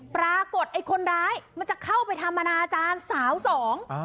ปรากฏไอ้คนร้ายมันจะเข้าไปทำอนาจารย์สาวสอง